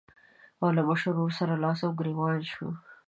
او له مشر ورور سره لاس او ګرېوان شو.